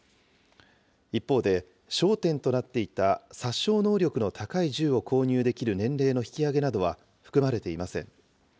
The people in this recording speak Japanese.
一方で、焦点となっていた殺傷能力の高い銃を購入できる年齢の引き上げなどは含まれていません。